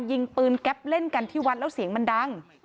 ยิงปืนแก๊ปเล่นกันที่วัดแล้วเสียงมันดัง